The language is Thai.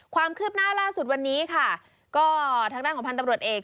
ความคืบหน้าล่าสุดวันนี้ค่ะก็ทางด้านของพันธุ์ตำรวจเอก